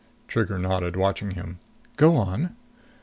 Trigger nodded, watching him. "Go on."